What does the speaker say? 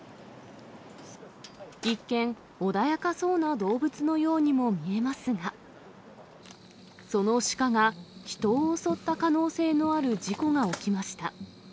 一見、穏やかそうな動物のようにも見えますが、そのシカが人を襲った可能性のある事故が起きました。